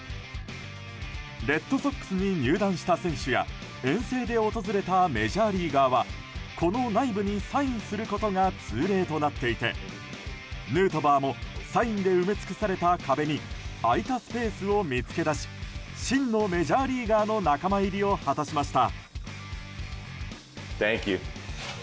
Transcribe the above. レッドソックスに入団した選手や遠征で訪れたメジャーリーガーはこの内部にサインすることが通例となっていてヌートバーもサインで埋め尽くされた壁に空いたスペースを見つけ出し真のメジャーリーガーの仲間入りを果たしました。